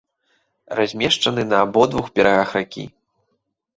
Размешчаны на абодвух берагах ракі.